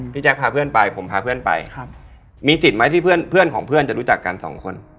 แจ๊คพาเพื่อนไปผมพาเพื่อนไปครับมีสิทธิ์ไหมที่เพื่อนของเพื่อนจะรู้จักกันสองคน